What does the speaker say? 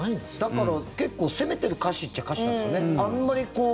だから、結構攻めてる歌詞っちゃ歌詞なんですよね。